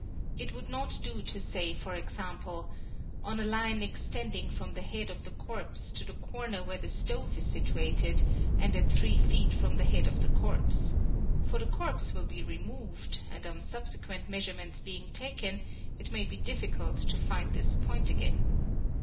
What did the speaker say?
It would not do to say for example ''on a line extending from the head of the corpse to the corner where the stove is situated and at three feet from the head of the corpse," for the corpse will be removed and on subsequent measurements being taken it may be difficult to find this point again.